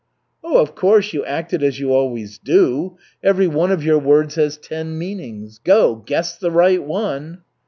"Oh, of course, you acted as you always do. Everyone of your words has ten meanings. Go, guess the right one."